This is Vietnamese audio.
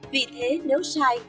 vì thế nếu sai